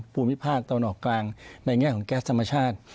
ภูมิภาคตะวันออกกลางในแง่ของแก๊สธรรมชาติ